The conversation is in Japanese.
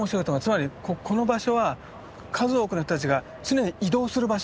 つまりこの場所は数多くの人たちが常に移動する場所だと。